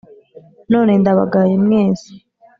None ndabagaye mwese.